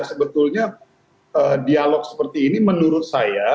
sebetulnya dialog seperti ini menurut saya